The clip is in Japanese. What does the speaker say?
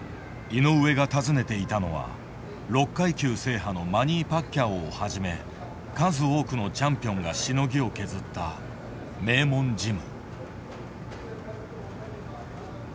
井上が訪ねていたのは６階級制覇のマニー・パッキャオをはじめ数多くのチャンピオンがしのぎを削った名門ジム。